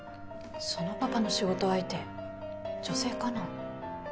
そのパパの仕事相手女性かな？